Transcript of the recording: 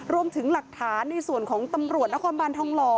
รวมถึงหลักฐานในส่วนของตำรวจนครบานทองหล่อ